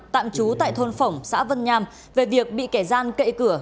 tạm trú tại thôn phổng xã vân nham về việc bị kẻ gian cậy cửa